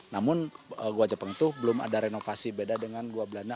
namun gua jepang itu belum ada renovasi beda dengan gua belanda